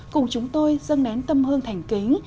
cùng chúng tôi dâng nén tâm hương thành kính